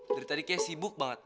dari tadi kayaknya sibuk banget